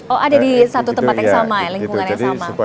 oh ada di satu tempat yang sama ya lingkungan yang sama